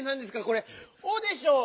⁉これ「お」でしょ！